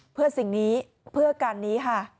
เพื่อสิ่งนี้เพื่อการนี้ค่ะ